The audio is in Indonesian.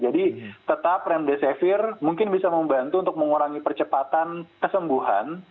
jadi tetap remdesivir mungkin bisa membantu untuk mengurangi percepatan kesembuhan